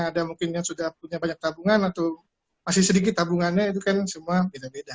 ada mungkin yang sudah punya banyak tabungan atau masih sedikit tabungannya itu kan semua beda beda